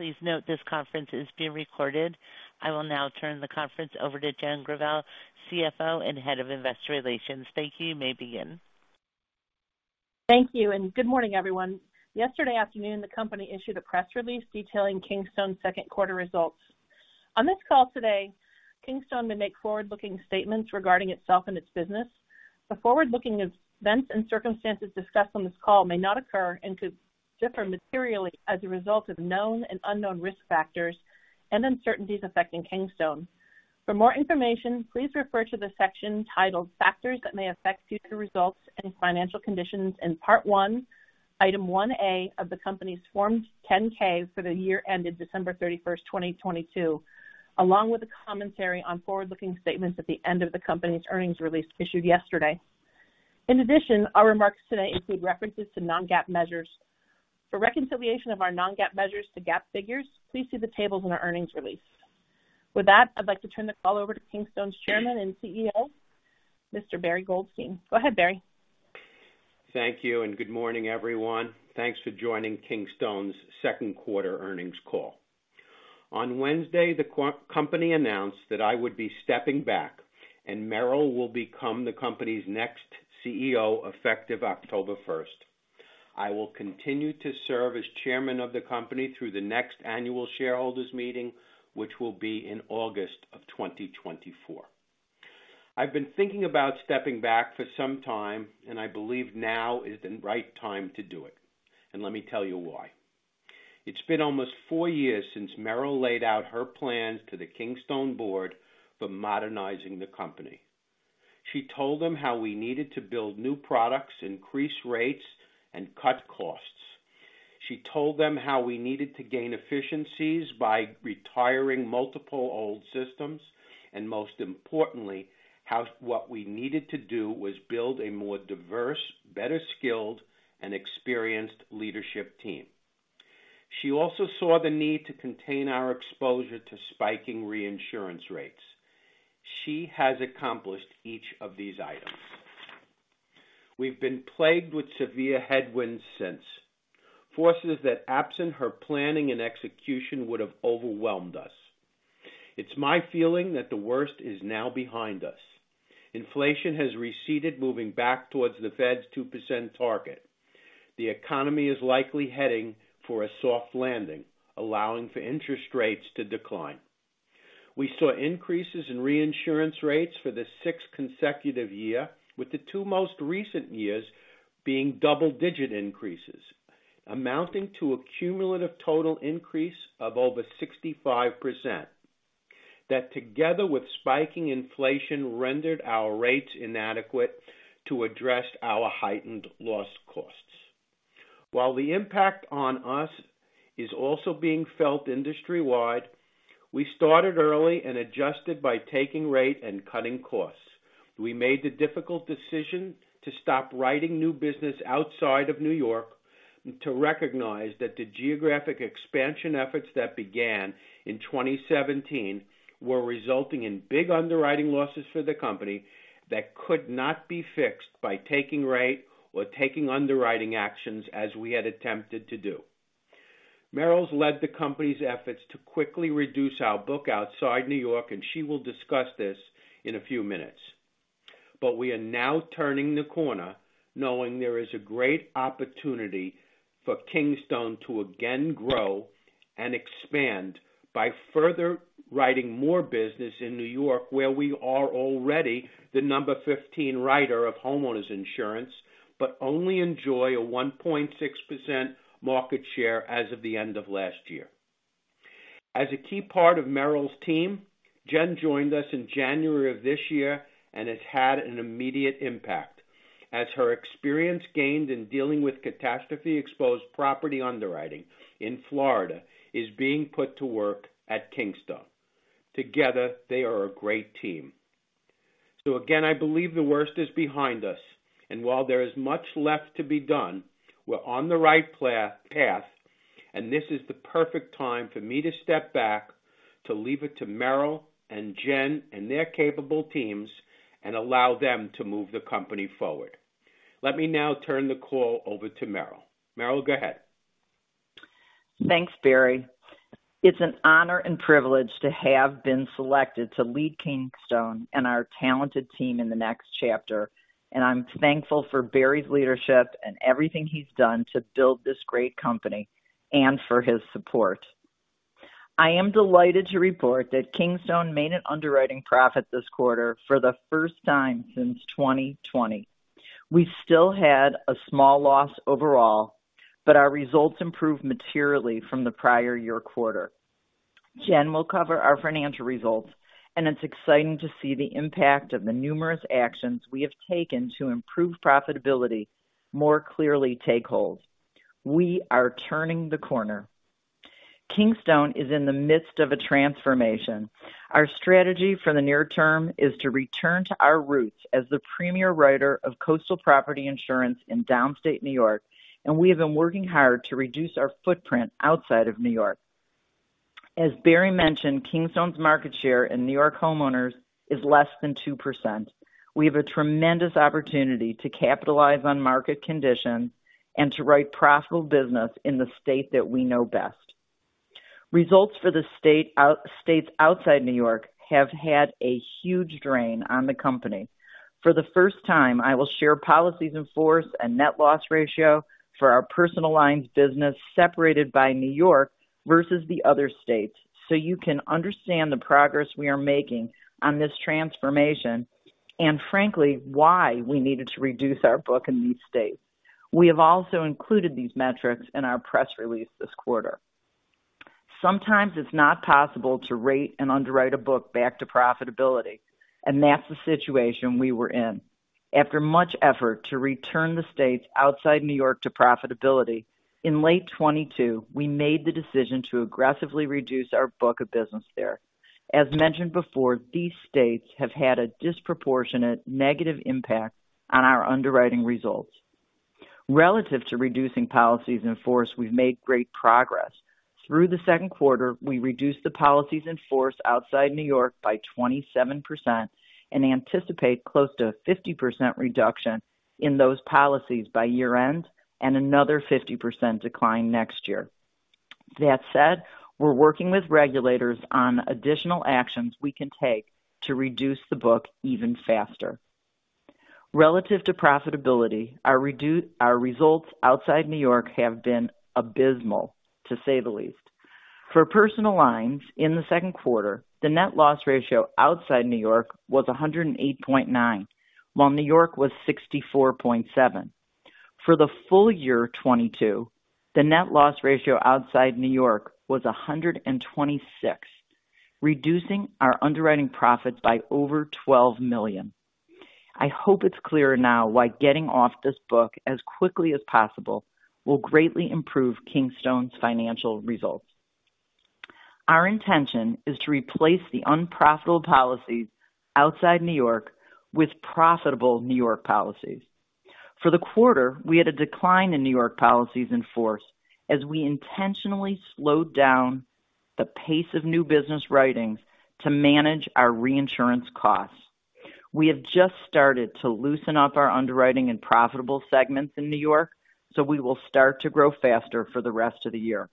Please note this conference is being recorded. I will now turn the conference over to Jennifer Gravelle, CFO and Head of Investor Relations. Thank you. You may begin. Thank you. Good morning, everyone. Yesterday afternoon, the company issued a press release detailing Kingstone's second quarter results. On this call today, Kingstone may make forward-looking statements regarding itself and its business. The forward-looking events and circumstances discussed on this call may not occur and could differ materially as a result of known and unknown risk factors and uncertainties affecting Kingstone. For more information, please refer to the section titled Factors That May Affect Future Results and Financial Condition in Part One, Item One A of the company's Form 10-K for the year ended December 31st, 2022, along with a commentary on forward-looking statements at the end of the company's earnings release issued yesterday. In addition, our remarks today include references to non-GAAP measures. For reconciliation of our non-GAAP measures to GAAP figures, please see the tables in our earnings release. With that, I'd like to turn the call over to Kingstone's Chairman and CEO, Mr. Barry Goldstein. Go ahead, Barry. Thank you, good morning, everyone. Thanks for joining Kingstone's second quarter earnings call. On Wednesday, the company announced that I would be stepping back. Meryl will become the company's next CEO, effective October 1st. I will continue to serve as chairman of the company through the next annual shareholders meeting, which will be in August of 2024. I've been thinking about stepping back for some time. I believe now is the right time to do it. Let me tell you why. It's been almost four years since Meryl laid out her plans to the Kingstone board for modernizing the company. She told them how we needed to build new products, increase rates, and cut costs. She told them how we needed to gain efficiencies by retiring multiple old systems, and most importantly, how what we needed to do was build a more diverse, better skilled and experienced leadership team. She also saw the need to contain our exposure to spiking reinsurance rates. She has accomplished each of these items. We've been plagued with severe headwinds since. Forces that, absent her planning and execution, would have overwhelmed us. It's my feeling that the worst is now behind us. Inflation has receded, moving back towards the Fed's 2% target. The economy is likely heading for a soft landing, allowing for interest rates to decline. We saw increases in reinsurance rates for the sixth consecutive year, with the two most recent years being double-digit increases, amounting to a cumulative total increase of over 65%. That, together with spiking inflation, rendered our rates inadequate to address our heightened loss costs. While the impact on us is also being felt industry-wide, we started early and adjusted by taking rate and cutting costs. We made the difficult decision to stop writing new business outside of New York to recognize that the geographic expansion efforts that began in 2017 were resulting in big underwriting losses for the company that could not be fixed by taking rate or taking underwriting actions, as we had attempted to do. Meryl's led the company's efforts to quickly reduce our book outside New York, and she will discuss this in a few minutes. We are now turning the corner, knowing there is a great opportunity for Kingstone to again grow and expand by further writing more business in New York, where we are already the number 15 writer of homeowners insurance, but only enjoy a 1.6% market share as of the end of last year. As a key part of Meryl's team, Jen joined us in January of this year and has had an immediate impact, as her experience gained in dealing with catastrophe-exposed property underwriting in Florida is being put to work at Kingstone. Together, they are a great team. Again, I believe the worst is behind us. While there is much left to be done, we're on the right path, and this is the perfect time for me to step back, to leave it to Meryl and Jen and their capable teams, and allow them to move the company forward. Let me now turn the call over to Meryl. Meryl, go ahead. Thanks, Barry. It's an honor and privilege to have been selected to lead Kingstone and our talented team in the next chapter. I'm thankful for Barry's leadership and everything he's done to build this great company and for his support. I am delighted to report that Kingstone made an underwriting profit this quarter for the first time since 2020. We still had a small loss overall. Our results improved materially from the prior year quarter. Jen will cover our financial results. It's exciting to see the impact of the numerous actions we have taken to improve profitability more clearly take hold. We are turning the corner. Kingstone is in the midst of a transformation. Our strategy for the near term is to return to our roots as the premier writer of coastal property insurance in downstate New York. We have been working hard to reduce our footprint outside of New York. As Barry mentioned, Kingstone's market share in New York homeowners is less than 2%. We have a tremendous opportunity to capitalize on market conditions and to write profitable business in the state that we know best. Results for the states outside New York have had a huge drain on the company. For the first time, I will share policies in force and net loss ratio for our personal lines business, separated by New York versus the other states, so you can understand the progress we are making on this transformation, and frankly, why we needed to reduce our book in these states. We have also included these metrics in our press release this quarter. Sometimes it's not possible to rate and underwrite a book back to profitability, that's the situation we were in. After much effort to return the states outside New York to profitability, in late 2022, we made the decision to aggressively reduce our book of business there. As mentioned before, these states have had a disproportionate negative impact on our underwriting results. Relative to reducing policies in force, we've made great progress. Through the second quarter, we reduced the policies in force outside New York by 27% and anticipate close to a 50% reduction in those policies by year-end and another 50% decline next year. That said, we're working with regulators on additional actions we can take to reduce the book even faster. Relative to profitability, our results outside New York have been abysmal, to say the least. For personal lines in the second quarter, the net loss ratio outside New York was 108.9, while New York was 64.7. For the full year 2022, the net loss ratio outside New York was 126, reducing our underwriting profits by over $12 million. I hope it's clear now why getting off this book as quickly as possible will greatly improve Kingstone's financial results. Our intention is to replace the unprofitable policies outside New York with profitable New York policies. For the quarter, we had a decline in New York policies in force as we intentionally slowed down the pace of new business writings to manage our reinsurance costs. We have just started to loosen up our underwriting and profitable segments in New York, we will start to grow faster for the rest of the year.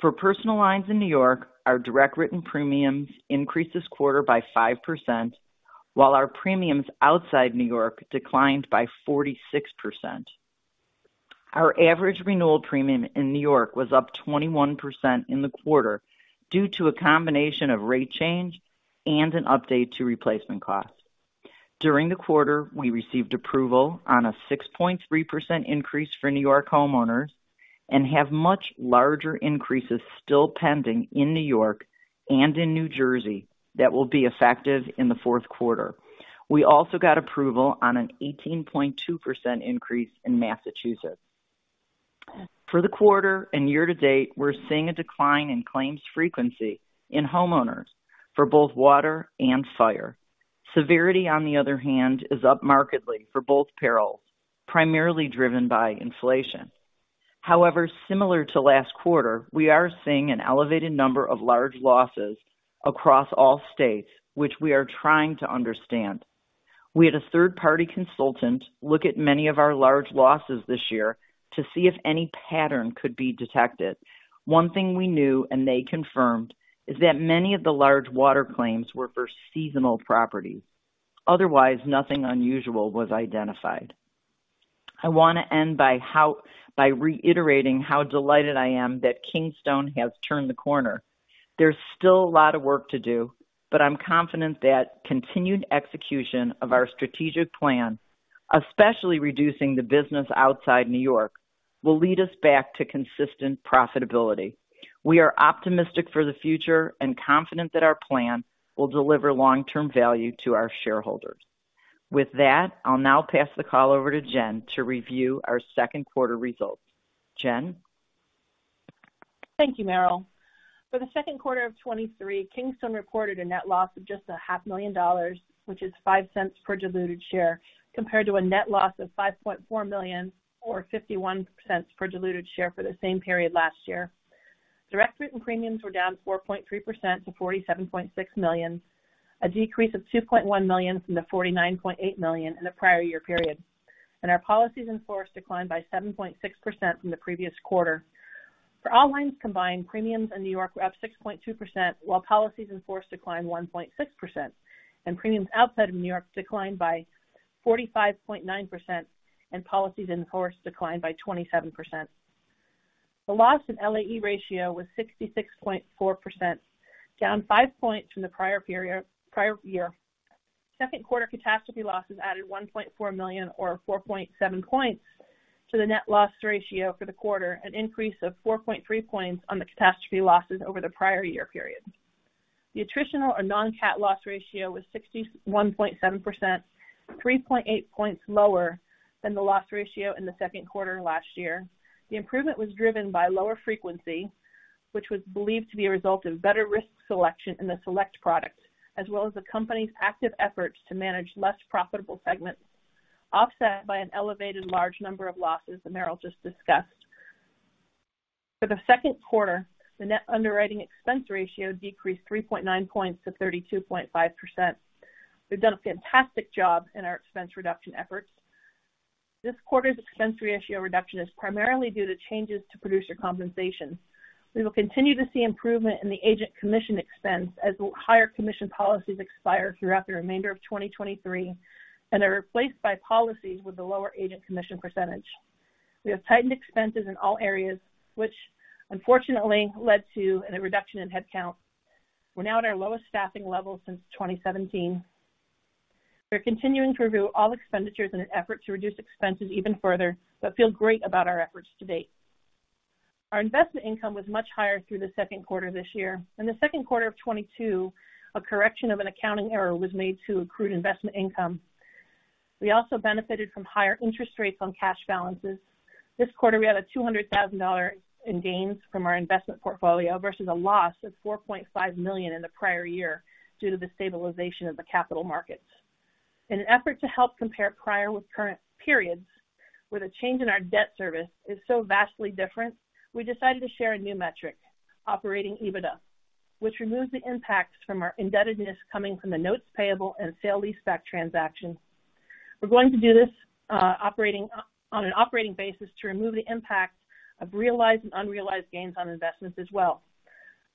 For personal lines in New York, our direct written premiums increased this quarter by 5%, while our premiums outside New York declined by 46%. Our average renewal premium in New York was up 21% in the quarter due to a combination of rate change and an update to replacement costs. During the quarter, we received approval on a 6.3% increase for New York homeowners and have much larger increases still pending in New York and in New Jersey that will be effective in the fourth quarter. We also got approval on an 18.2% increase in Massachusetts. For the quarter and year to date, we're seeing a decline in claims frequency in homeowners for both water and fire. Severity, on the other hand, is up markedly for both perils, primarily driven by inflation. However, similar to last quarter, we are seeing an elevated number of large losses across all states, which we are trying to understand. We had a third-party consultant look at many of our large losses this year to see if any pattern could be detected. One thing we knew, and they confirmed, is that many of the large water claims were for seasonal properties. Otherwise, nothing unusual was identified. I want to end by reiterating how delighted I am that Kingstone has turned the corner. There's still a lot of work to do, but I'm confident that continued execution of our strategic plan, especially reducing the business outside New York, will lead us back to consistent profitability. We are optimistic for the future and confident that our plan will deliver long-term value to our shareholders. With that, I'll now pass the call over to Jen to review our second quarter results. Jen? Thank you, Meryl. For the second quarter of 2023, Kingstone reported a net loss of just $500,000, which is $0.05 per diluted share, compared to a net loss of $5.4 million, or $0.51 per diluted share for the same period last year. Direct written premiums were down 4.3% to $47.6 million, a decrease of $2.1 million from the $49.8 million in the prior year period, and our policies in force declined by 7.6% from the previous quarter. For all lines combined, premiums in New York were up 6.2%, while policies in force declined 1.6%, and premiums outside of New York declined by 45.9%, and policies in force declined by 27%. The loss in LAE ratio was 66.4%, down 5 points from the prior period, prior year. Second quarter catastrophe losses added $1.4 million or 4.7 points to the net loss ratio for the quarter, an increase of 4.3 points on the catastrophe losses over the prior year period. The attritional or non-cat loss ratio was 61.7%, 3.8 points lower than the loss ratio in the second quarter last year. The improvement was driven by lower frequency, which was believed to be a result of better risk selection in the Select products, as well as the company's active efforts to manage less profitable segments....offset by an elevated large number of losses that Meryl just discussed. For the second quarter, the net underwriting expense ratio decreased 3.9 points to 32.5%. We've done a fantastic job in our expense reduction efforts. This quarter's expense ratio reduction is primarily due to changes to producer compensation. We will continue to see improvement in the agent commission expense as higher commission policies expire throughout the remainder of 2023, and are replaced by policies with a lower agent commission %. We have tightened expenses in all areas, which unfortunately led to a reduction in headcount. We're now at our lowest staffing level since 2017. We're continuing to review all expenditures in an effort to reduce expenses even further, but feel great about our efforts to date. Our investment income was much higher through the second quarter this year. In the second quarter of 2022, a correction of an accounting error was made to accrued investment income. We also benefited from higher interest rates on cash balances. This quarter, we had a $200,000 in gains from our investment portfolio, versus a loss of $4.5 million in the prior year due to the stabilization of the capital markets. In an effort to help compare prior with current periods, where the change in our debt service is so vastly different, we decided to share a new metric, Operating EBITDA, which removes the impacts from our indebtedness coming from the notes payable and sale-leaseback transaction. We're going to do this on an operating basis to remove the impacts of realized and unrealized gains on investments as well.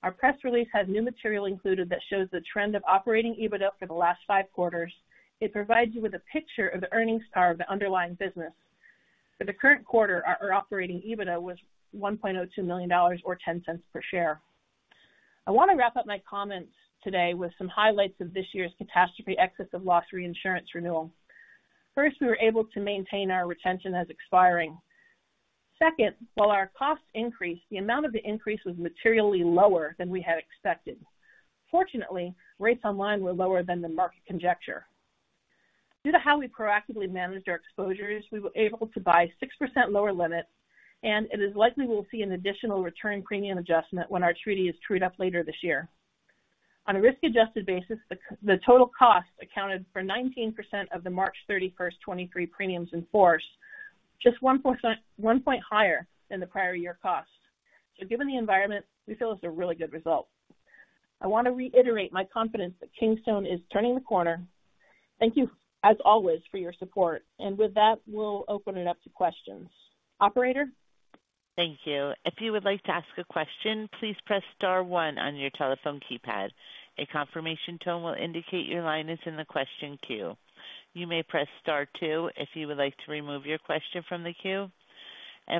Our press release has new material included that shows the trend of Operating EBITDA for the last five quarters. It provides you with a picture of the earnings power of the underlying business. For the current quarter, our Operating EBITDA was $1.02 million or $0.10 per share. I want to wrap up my comments today with some highlights of this year's catastrophe excess of loss reinsurance renewal. First, we were able to maintain our retention as expiring. Second, while our costs increased, the amount of the increase was materially lower than we had expected. Fortunately, rates on line were lower than the market conjecture. Due to how we proactively managed our exposures, we were able to buy 6% lower limits, and it is likely we'll see an additional return premium adjustment when our treaty is trued up later this year. On a risk-adjusted basis, the total cost accounted for 19% of the March 31st, 2023 premiums in force, just 1 point higher than the prior year costs. Given the environment, we feel it's a really good result. I want to reiterate my confidence that Kingstone is turning the corner. Thank you, as always, for your support. With that, we'll open it up to questions. Operator? Thank you. If you would like to ask a question, please press star one on your telephone keypad. A confirmation tone will indicate your line is in the question queue. You may press star two if you would like to remove your question from the queue.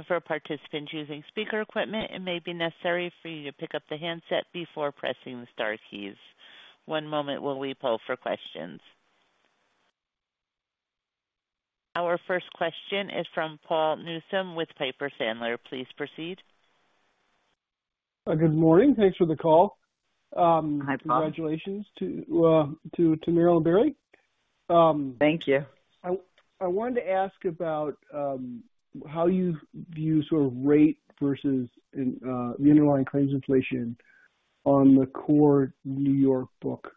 For participants using speaker equipment, it may be necessary for you to pick up the handset before pressing the star keys. One moment while we poll for questions. Our first question is from Paul Newsome with Piper Sandler. Please proceed. Good morning. Thanks for the call. Hi, Paul. Congratulations to, to, to Meryl and Barry. Thank you. I, I wanted to ask about how you view sort of rate versus the underlying claims inflation on the core New York book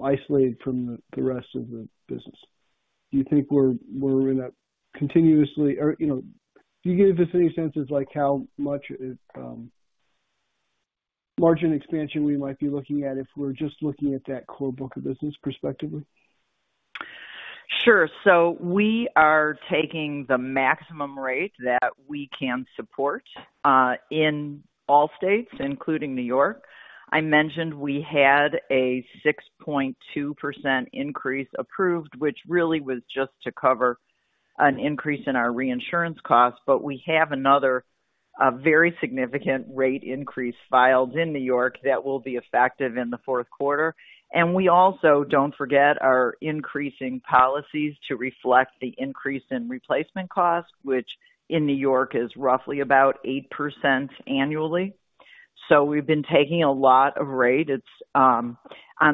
isolated from the rest of the business. Do you think we're, we're in a continuously or, you know, can you give us any sense of like, how much margin expansion we might be looking at if we're just looking at that core book of business prospectively? Sure. We are taking the maximum rate that we can support in all states, including New York. I mentioned we had a 6.2% increase approved, which really was just to cover an increase in our reinsurance costs, but we have another very significant rate increase filed in New York that will be effective in the fourth quarter. We also don't forget are increasing policies to reflect the increase in replacement costs, which in New York is roughly about 8% annually. We've been taking a lot of rate. It's on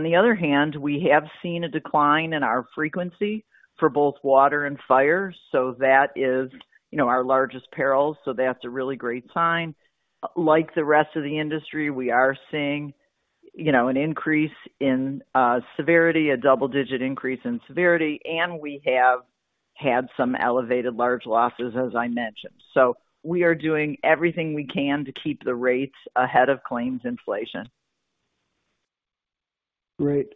the other hand, we have seen a decline in our frequency for both water and fire. That is, you know, our largest peril, so that's a really great sign. Like the rest of the industry, we are seeing, you know, an increase in severity, a double-digit increase in severity, and we have had some elevated large losses, as I mentioned. We are doing everything we can to keep the rates ahead of claims inflation. Great.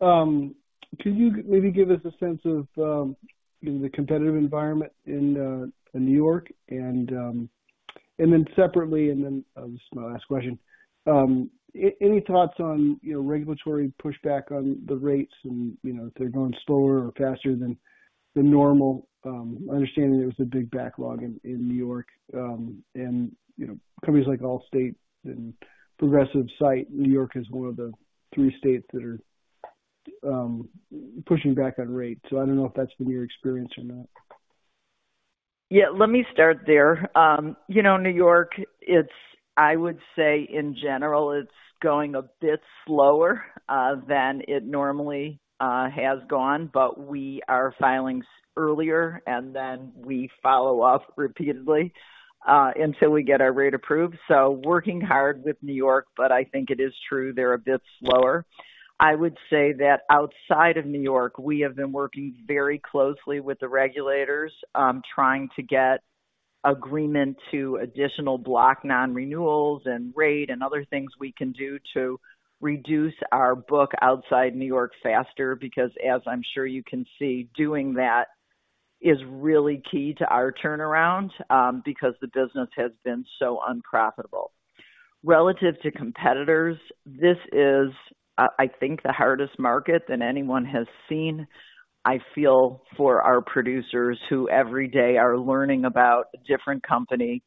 Could you maybe give us a sense of the competitive environment in New York? Separately, and then this is my last question. Any thoughts on, you know, regulatory pushback on the rates and, you know, if they're going slower or faster than the normal? Understanding there's a big backlog in New York, and, you know, companies like Allstate and Progressive cite New York as one of the three states that are pushing back on rates. I don't know if that's been your experience or not. Yeah, let me start there. You know, New York, it's—I would say in general, it's going a bit slower than it normally has gone. We are filing earlier, and then we follow up repeatedly until we get our rate approved. Working hard with New York, I think it is true they're a bit slower. I would say that outside of New York, we have been working very closely with the regulators, trying to get agreement to additional block non-renewals and rate and other things we can do to reduce our book outside New York faster. As I'm sure you can see, doing that is really key to our turnaround because the business has been so unprofitable. Relative to competitors, this is, I think, the hardest market than anyone has seen. I feel for our producers, who every day are learning about a different company,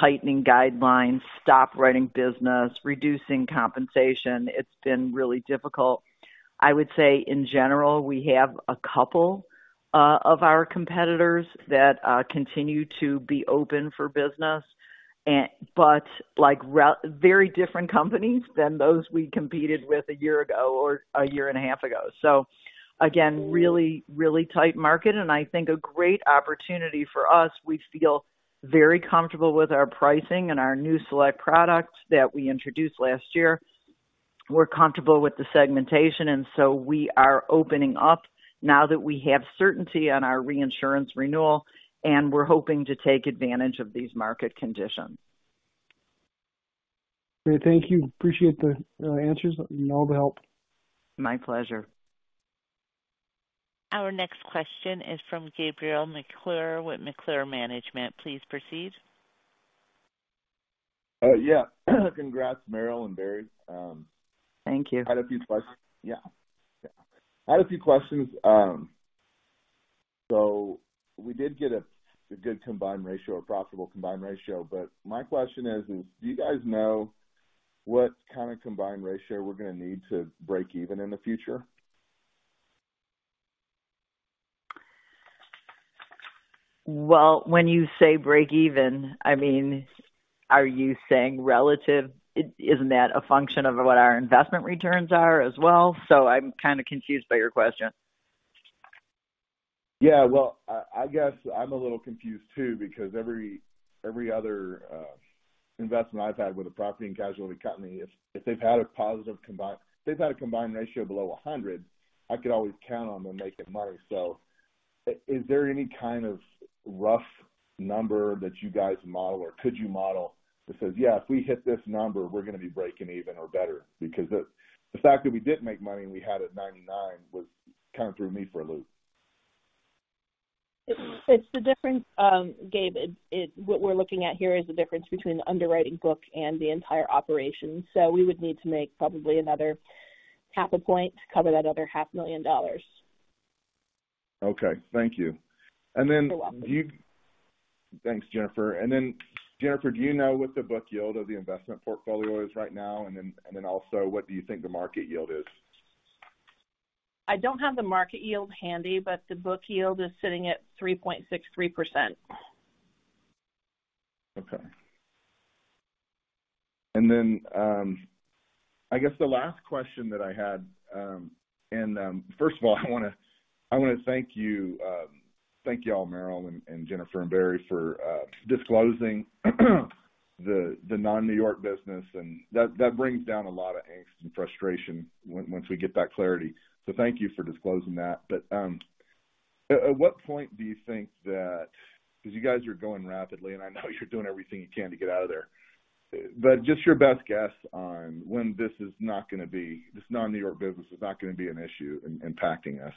tightening guidelines, stop writing business, reducing compensation. It's been really difficult. I would say in general, we have a couple of our competitors that continue to be open for business, very different companies than those we competed with a year ago or a year and a half ago. Again, really, really tight market, and I think a great opportunity for us. We feel very comfortable with our pricing and our new Select products that we introduced last year. We're comfortable with the segmentation, and so we are opening up now that we have certainty on our reinsurance renewal, and we're hoping to take advantage of these market conditions. Great, thank you. Appreciate the answers and all the help. My pleasure. Our next question is from Gabriel McClure with McClure Management. Please proceed. Yeah. Congrats, Meryl and Barry. Thank you. I had a few questions. Yeah. I had a few questions. We did get a, a good combined ratio, a profitable combined ratio. My question is: Do you guys know what kind of combined ratio we're going to need to break even in the future? Well, when you say break even, I mean, are you saying relative? Isn't that a function of what our investment returns are as well? I'm kind of confused by your question. Yeah, well, I, I guess I'm a little confused, too, because every, every other investment I've had with a property and casualty company, if they've had a combined ratio below 100, I could always count on them making money. Is there any kind of rough number that you guys model or could you model that says, "Yeah, if we hit this number, we're going to be breaking even or better?" Because the fact that we did make money and we had it at 99 was kind of threw me for a loop. It's, it's the difference, Gab. What we're looking at here is the difference between the underwriting book and the entire operation. We would need to make probably another half a point to cover that other $500,000. Okay. Thank you. You're welcome. Thanks, Jennifer. Jennifer, do you know what the book yield of the investment portfolio is right now? Also, what do you think the market yield is? I don't have the market yield handy, the book yield is sitting at 3.63%. Okay. Then, I guess the last question that I had, first of all, I want to, I want to thank you, thank you all, Meryl and Jennifer and Barry, for disclosing the, the non-New York business, and that, that brings down a lot of angst and frustration once we get that clarity. Thank you for disclosing that. At, at what point do you think that...because you guys are growing rapidly, and I know you're doing everything you can to get out of there. Just your best guess on when this is not going to be, this non-New York business is not going to be an issue in, impacting us?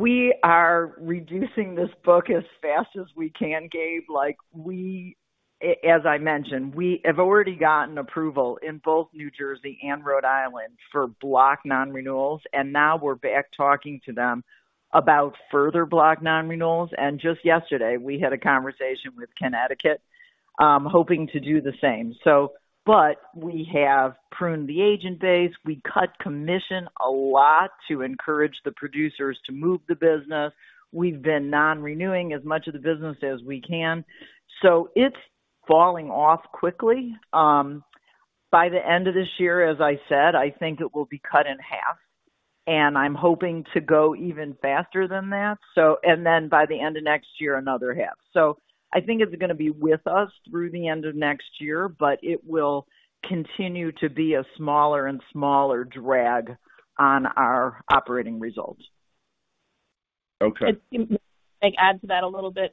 We are reducing this book as fast as we can, Gab. Like, we, as I mentioned, we have already gotten approval in both New Jersey and Rhode Island for block non-renewals. Now we're back talking to them about further block non-renewals. Just yesterday, we had a conversation with Connecticut, hoping to do the same. We have pruned the agent base. We cut commission a lot to encourage the producers to move the business. We've been non-renewing as much of the business as we can, so it's falling off quickly. By the end of this year, as I said, I think it will be cut in half, and I'm hoping to go even faster than that. By the end of next year, another half. I think it's going to be with us through the end of next year, but it will continue to be a smaller and smaller drag on our operating results. Okay. If I may add to that a little bit.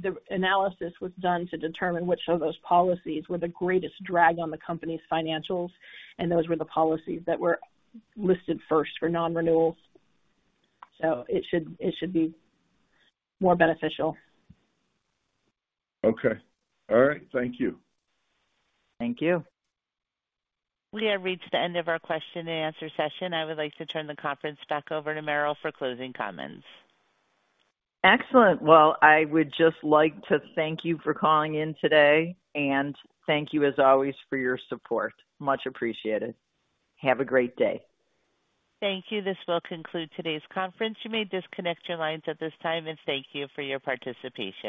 The analysis was done to determine which of those policies were the greatest drag on the company's financials, and those were the policies that were listed first for non-renewals. It should, it should be more beneficial. Okay. All right. Thank you. Thank you. We have reached the end of our question and answer session. I would like to turn the conference back over to Meryl for closing comments. Excellent. Well, I would just like to thank you for calling in today, and thank you as always, for your support. Much appreciated. Have a great day. Thank you. This will conclude today's conference. You may disconnect your lines at this time, and thank you for your participation.